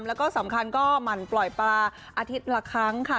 แล้วก็สำคัญก็หมั่นปล่อยปลาอาทิตย์ละครั้งค่ะ